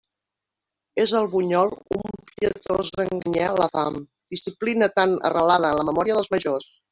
És el bunyol un pietós enganyar la fam, disciplina tan arrelada en la memòria dels majors.